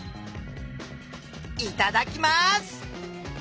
いただきます。